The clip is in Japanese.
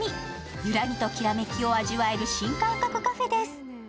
揺らぎときらめきを味わえる新感覚カフェです。